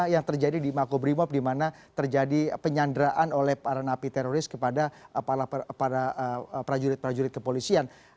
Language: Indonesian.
yang terjadi di makobrimob di mana terjadi penyanderaan oleh para napi teroris kepada para prajurit prajurit kepolisian